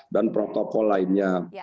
dan protokol lainnya